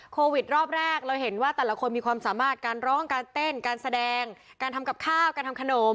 โควิดรอบแรกเราเห็นว่าแต่ละคนมีความสามารถการร้องการเต้นการแสดงการทำกับข้าวการทำขนม